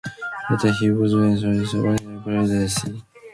Later he would endorse Grover Cleveland for the presidency.